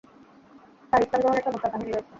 তার ইসলাম গ্রহণের চমৎকার কাহিনী রয়েছে।